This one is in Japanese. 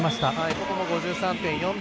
ここも５３．４秒。